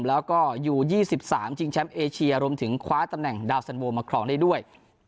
แล้วก็อยู่๒๓ชิงแชมป์เอเชียรวมถึงคว้าตำแหน่งดาวสันโวมาครองได้ด้วย